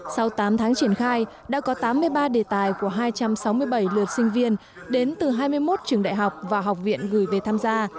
sau tám tháng triển khai đã có tám mươi ba đề tài của hai trăm sáu mươi bảy lượt sinh viên đến từ hai mươi một trường đại học và học viện gửi về tham gia